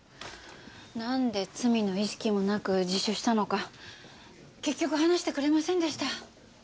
なんで罪の意識もなく自首したのか結局話してくれませんでした。